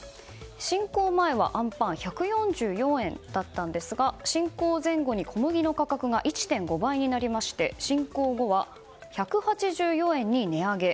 侵攻前はあんパン、１４４円でしたが侵攻前後に小麦の価格が１．５倍になり侵攻後は１８４円に値上げ。